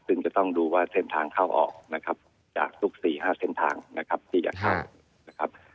ซึ่งจะต้องดูว่าเส้นทางเข้าออกนะครับจากทุก๔๕เส้นทางนะครับที่จะเข้านะครับ